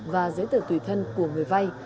và giấy tờ tùy thân của người vai